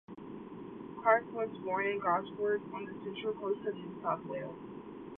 Clark was born in Gosford, on the Central Coast of New South Wales.